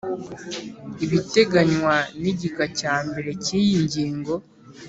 ibiteganywa n igika cya mbere cy’iyi ngingo